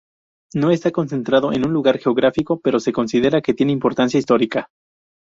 No está concentrado en un lugar geográfico, pero se considera que tiene importancia histórica.